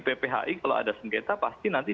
pphi kalau ada sengketa pasti nanti